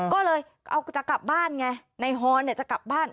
ก็เลยจะกลับบ้านไงนายฮอนเนี่ยจะกลับบ้าน